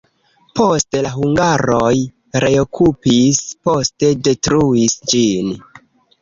Poste la hungaroj reokupis, poste detruis ĝin.